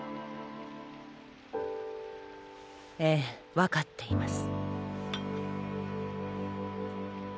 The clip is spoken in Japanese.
ええ分かっています。